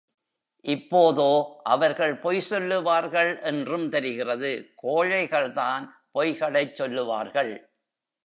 இப்போதோ அவர்கள் பொய் சொல்லுவார்கள் என்றும் தெரிகிறது. கோழைகள்தான் பொய்களைச் சொல்லுவார்கள்.